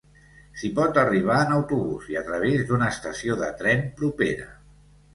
S'hi pot arribar en autobús i a través d'una estació de tren propera.